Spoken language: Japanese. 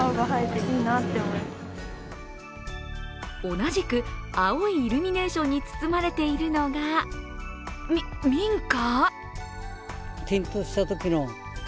同じく青いイルミネーションに包まれているのが、み、民家？